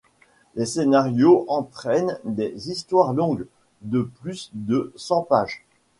Les scénarios entraînent des histoires longues, de plus de cent pages.